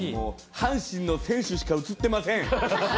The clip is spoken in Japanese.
阪神の選手しか写ってません。